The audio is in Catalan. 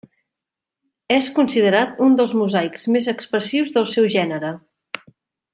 És considerat un dels mosaics més expressius del seu gènere.